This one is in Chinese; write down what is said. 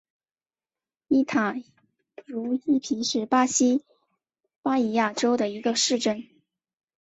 伊塔茹伊皮是巴西巴伊亚州的一个市镇。